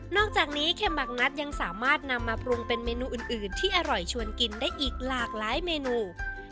อกจากนี้เข็มหมักงัดยังสามารถนำมาปรุงเป็นเมนูอื่นที่อร่อยชวนกินได้อีกหลากหลายเมนู